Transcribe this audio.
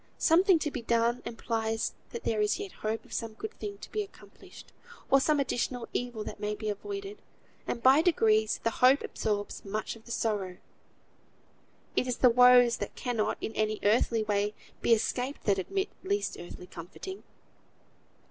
Something to be done implies that there is yet hope of some good thing to be accomplished, or some additional evil that may be avoided; and by degrees the hope absorbs much of the sorrow. It is the woes that cannot in any earthly way be escaped that admit least earthly comforting.